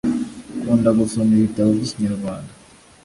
kunda gusoma ibitabo byikinyarwanda